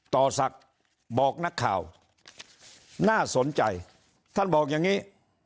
ต่อศักดิ์บอกนักข่าวน่าสนใจท่านบอกอย่างนี้